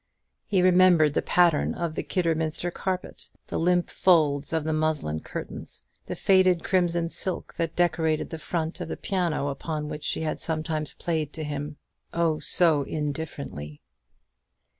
He remembered the pattern of the Kidderminster carpet, the limp folds of the muslin curtains, the faded crimson silk that decorated the front of the piano upon which she had sometimes played to him, oh, so indifferently.